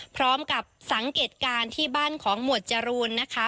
พร้อมกับสังเกตการณ์ที่บ้านของหมวดจรูนนะคะ